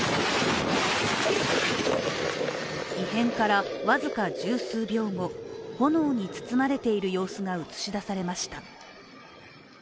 異変から僅か十数秒後、炎に包まれている様子が映し出されました。